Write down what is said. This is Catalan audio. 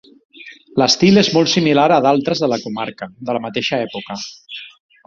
L'estil és molt similar a d'altres de la comarca, de la mateixa època.